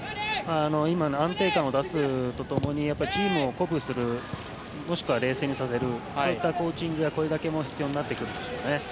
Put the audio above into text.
今、安定感を出すとともにチームを鼓舞するもしくは冷静にさせるそういったコーチングや声かけも必要になってくるでしょうね。